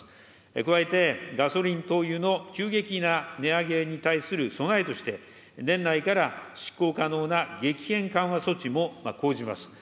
加えて、ガソリン、灯油の急激な値上げに対する備えとして、年内から執行可能な激変緩和措置も講じます。